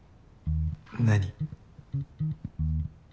何？